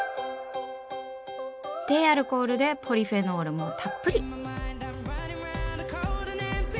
低アルコールでポリフェノールもたっぷり。